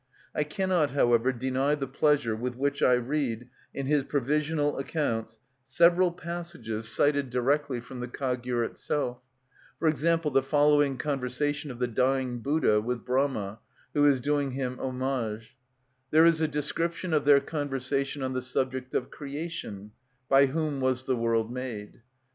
I cannot, however, deny the pleasure with which I read, in his provisional accounts, several passages cited directly from the Kahgyur itself; for example, the following conversation of the dying Buddha with Brahma, who is doing him homage: "There is a description of their conversation on the subject of creation,—by whom was the world made?